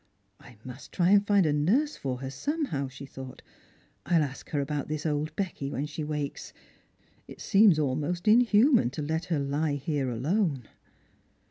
" I must try to find a nurse for her, somehow," she thought; " I'll ask her about this old Becky when she wakes. It seema almost inhuman to let her lie here alone."